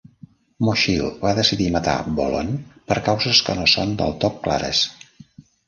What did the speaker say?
Mosheel va decidir matar Bolon per causes que no són del tot clares.